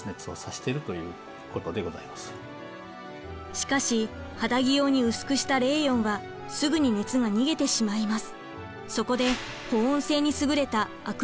しかし肌着用に薄くしたレーヨンはすぐに熱が逃げてしまいます。